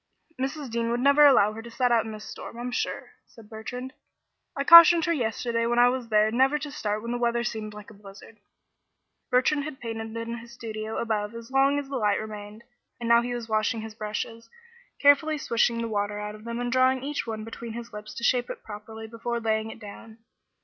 "Mrs. Dean would never allow her to set out in this storm, I'm sure," said Bertrand. "I cautioned her yesterday when I was there never to start when the weather seemed like a blizzard." Bertrand had painted in his studio above as long as the light remained, and now he was washing his brushes, carefully swishing the water out of them and drawing each one between his lips to shape it properly before laying it down.